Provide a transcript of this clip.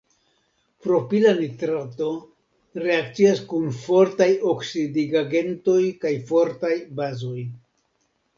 Propila nitrato reakcias kun fortaj oksidigagentoj kaj fortaj bazoj.